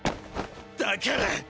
だから！